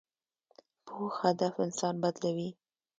پوخ هدف انسان بدلوي